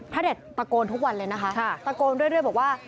เด็ดตะโกนทุกวันเลยนะคะตะโกนเรื่อยบอกว่า